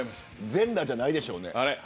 全裸じゃないでしょうね。